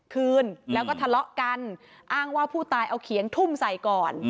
คืนแล้วก็ทะเลาะกันอ้างว่าผู้ตายเอาเขียงทุ่มใส่ก่อน